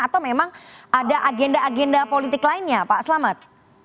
atau memang ada agenda agenda politik lainnya pak selamat